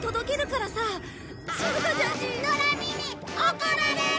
怒られる！